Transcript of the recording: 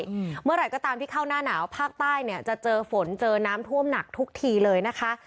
เมื่อไหร่ก็ตามที่เข้าหน้าหนาวภาคใต้เนี้ยจะเจอฝนเจอน้ำท่วมหนักทุกทีเลยนะคะ